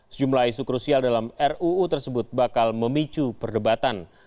sejumlah isu krusial dalam ruu tersebut bakal memicu perdebatan